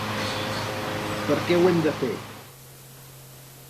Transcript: Perquè ho hem de fer.